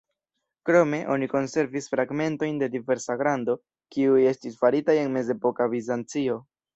Krome, oni konservis fragmentojn de diversa grando, kiuj estis faritaj en mezepoka Bizancio.